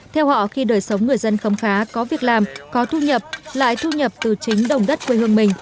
theo họ khi đời sống người dân khấm khá có việc làm có thu nhập lại thu nhập từ chính đồng đất quê hương mình